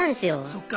そっか。